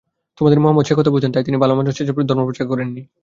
তোমাদের মহম্মদ সে কথা বুঝতেন, তাই তিনি ভালোমানুষ সেজে ধর্মপ্রচার করেন নি।